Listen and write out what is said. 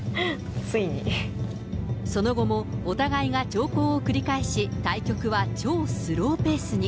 その後も、お互いが長考を繰り返し、対局は超スローペースに。